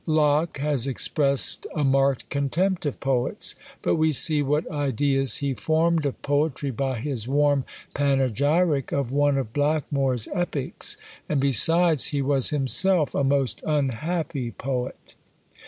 Locke has expressed a marked contempt of poets; but we see what ideas he formed of poetry by his warm panegyric of one of Blackmore's epics! and besides he was himself a most unhappy poet!